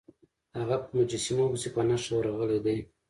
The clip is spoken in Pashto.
هغه په مجسمو پسې په نښه ورغلی دی.